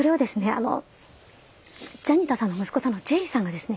あのジャニタさんの息子さんのジェイさんがですね